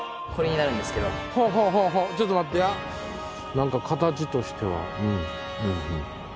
何か形としては。